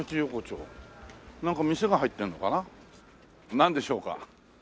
なんでしょうか？